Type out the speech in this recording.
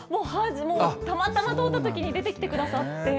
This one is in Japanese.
もう、たまたま通ったときに出てきてくださって。